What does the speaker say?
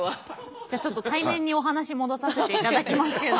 じゃあちょっと対面にお話戻させていただきますけれども。